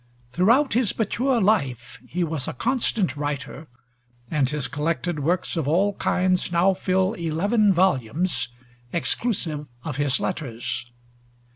Throughout his mature life he was a constant writer, and his collected works of all kinds now fill eleven volumes, exclusive of his letters.